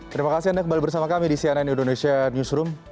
terima kasih anda kembali bersama kami di cnn indonesia newsroom